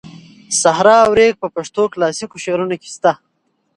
صحرا او ریګ په پښتو کلاسیکو شعرونو کې شته.